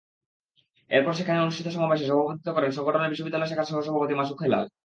এরপর সেখানে অনুষ্ঠিত সমাবেশে সভাপতিত্ব করেন সংগঠনের বিশ্ববিদ্যালয় শাখার সহসভাপতি মাসুক হেলাল।